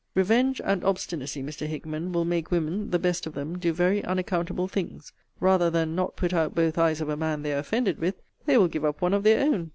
Revenge and obstinacy, Mr. Hickman, will make women, the best of them, do very unaccountable things. Rather than not put out both eyes of a man they are offended with, they will give up one of their own.